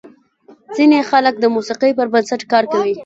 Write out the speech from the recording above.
ځینې خلک د موسیقۍ پر بنسټ کار کوي.